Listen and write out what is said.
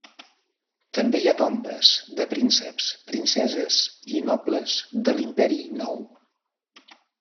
També hi ha tombes de prínceps, princeses i nobles de l'Imperi Nou.